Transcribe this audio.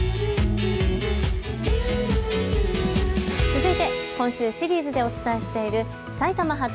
続いて今週シリーズでお伝えしている埼玉発！